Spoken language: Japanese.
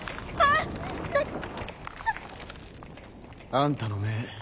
あんたの目